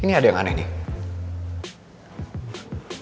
ini ada yang aneh nih